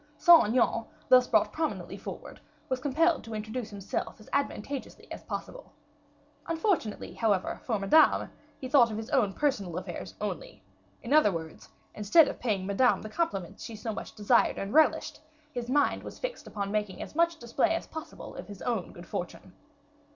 Saint Aignan, thus brought prominently forward, was compelled to introduce himself as advantageously as possible. Unfortunately, however, for Madame, he thought of his own personal affairs only; in other words, instead of paying Madame the compliments she so much desired and relished, his mind was fixed upon making as much display as possible of his own good fortune.